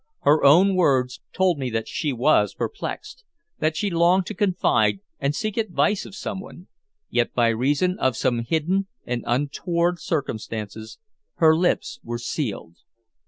Her own words told me that she was perplexed; that she longed to confide and seek advice of someone, yet by reason of some hidden and untoward circumstance her lips were sealed.